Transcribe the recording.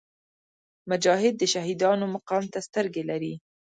مجاهد د شهیدانو مقام ته سترګې لري.